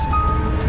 tipu gue banget tau